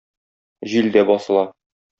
Җил дә басыла.